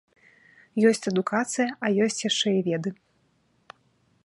Ёсць адукацыя, а ёсць яшчэ і веды.